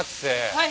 はい！